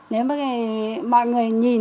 nếu mà mọi người nhìn